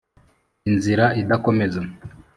inzira idakomeza